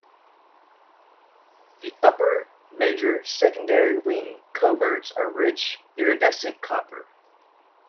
The upper, major secondary wing coverts are rich iridescent copper.